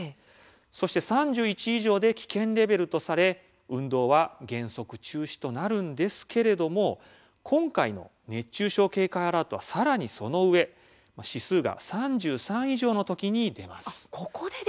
そして、３１以上で危険レベルとされ運動は原則中止となるんですけれども今回の熱中症警戒アラートはさらにその上指数が３３以上の時に出ます。